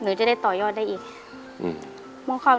เพื่อเจอกันอีกทีครั้งหน้า